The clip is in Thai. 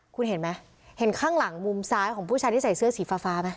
คุณเห็นไหมเห็นข้างหลังมุมซ้ายของผู้ชายที่ใส่เสื้อสีฟ้าไหม